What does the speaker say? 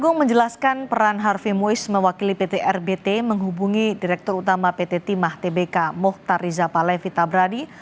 agung menjelaskan peran harvey mois mewakili pt rbt menghubungi direktur utama pt timah tbk mohtar rizapale vita brady